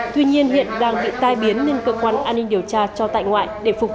tuy nhiên hiện đang bị tai biến nên cơ quan an ninh điều tra cho tại ngoại